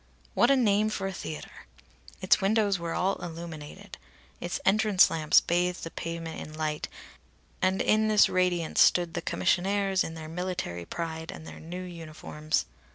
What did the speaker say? (What a name for a theatre!) Its windows were all illuminated. Its entrance lamps bathed the pavement in light, and in this radiance stood the commissionaires in their military pride and their new uniforms.